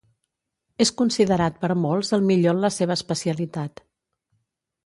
És considerat per molts el millor en la seva especialitat.